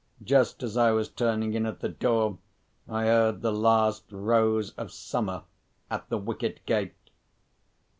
Just as I was turning in at the door, I heard "The Last Rose of Summer" at the wicket gate.